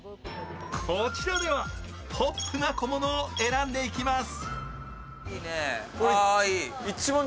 こちらではポップな小物を選んでいきます。